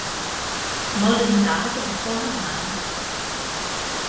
我亂打嘅，幫下眼